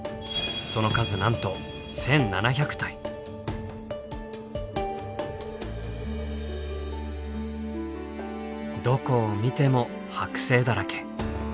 その数なんとどこを見ても剥製だらけ。